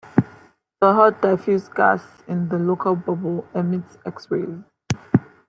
The hot diffuse gas in the Local Bubble emits X-rays.